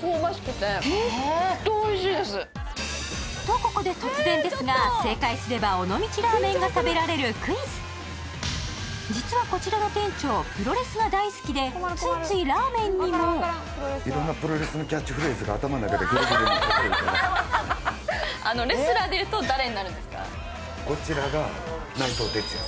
香ばしくてホントおいしいですとここで突然ですが正解すれば尾道ラーメンが食べられるクイズ実はこちらの店長プロレスが大好きでついついラーメンにも内藤哲也さん